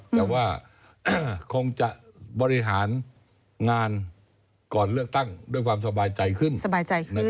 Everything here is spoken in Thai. แต่ว่าคงจะบริหารงานก่อนเลือกตั้งด้วยความสบายใจขึ้นสบายใจขึ้น